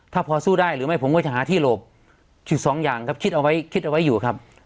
ถ้าพอสู้ได้หรือไม่ผมก็จะหาที่หลบอยู่สองอย่างครับคิดเอาไว้คิดเอาไว้อยู่ครับ